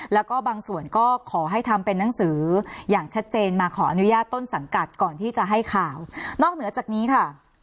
แล้วก็บางส่วนก็ขอให้ทำเป็นนังสืออย่างชัดเจนมาขออนุญาตต้นสังกัดก่อนที่จะให้ข่าวนอกเหนือจากนี้ค่ะ